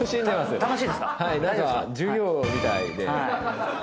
何か授業みたいで。